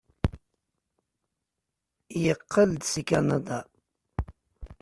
Yeqqel-d seg Kanada.